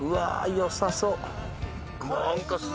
よさそう